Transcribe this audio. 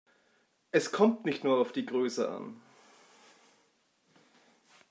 Es kommt nicht nur auf die Größe an.